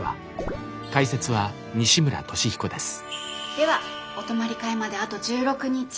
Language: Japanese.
ではお泊まり会まであと１６日。